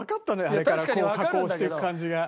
あれからこう加工していく感じが。